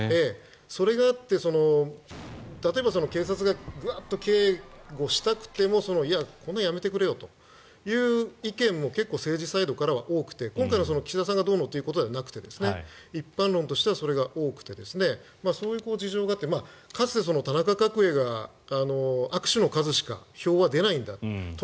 それがあって、例えば警察がガっと警護したくてもいや、こんなのやめてくれよという意見も政治サイドからは多くて今回の岸田さんがどうのではなくて一般論としてはそれが多くてそういう事情があってかつて、田中角栄が握手の数しか票は出ないんだと。